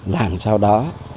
làm sao đó